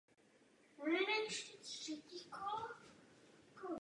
Chystají se snad v dohledné době zavést elektrická letadla?